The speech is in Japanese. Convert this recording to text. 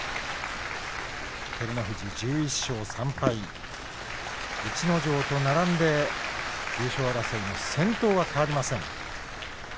照ノ富士、１１勝３敗逸ノ城と並んで優勝争いの先頭は変わりません。